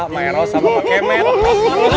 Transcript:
sama eros sama pak kemen